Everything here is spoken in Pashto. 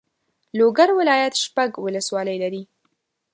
لوګر ولایت شپږ والسوالۍ لري.